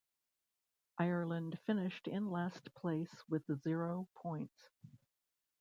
Ireland finished in last place with zero points.